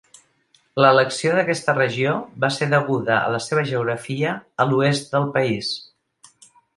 L'elecció d'aquesta regió va ser deguda a la seva geografia a l'oest del país.